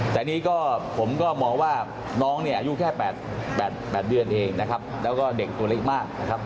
แต่นี่ก็ผมก็มองว่าน้องเนี่ยอายุแค่๘เดือนเองนะครับแล้วก็เด็กตัวเล็กมากนะครับ